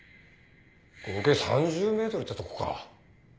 合計３０ｍってとこか。